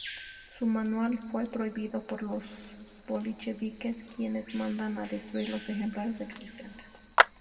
Su "Manual" fue prohibido por los bolcheviques, quienes mandan a destruir los ejemplares existentes.